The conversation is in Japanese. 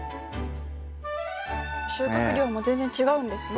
収穫量も全然違うんですね